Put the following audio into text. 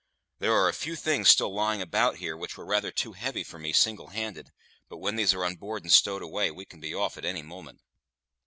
There are a few things still lying about here which were rather too heavy for me single handed; but when these are on board and stowed away, we can be off at any moment."